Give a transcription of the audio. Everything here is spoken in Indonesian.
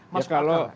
masuk ke atas